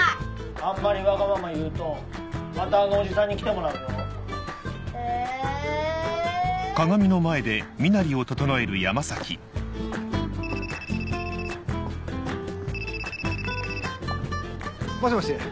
あんまりワガママ言うとまたあのおじさんに来てもらうよ・・え・もしもし。